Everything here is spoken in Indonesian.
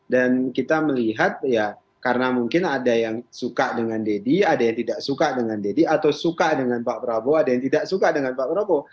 dan kita melihat ya karena mungkin ada yang suka dengan deddy ada yang tidak suka dengan deddy atau suka dengan pak prabowo ada yang tidak suka dengan pak prabowo